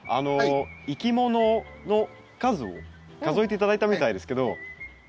いきものの数を数えて頂いたみたいですけど。